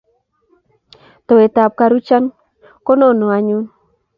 Towet ab karuchan ko nono any.